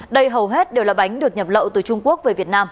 đây hầu hết đều là bánh được nhập lậu từ trung quốc về việt nam